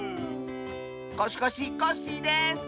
コシコシコッシーです！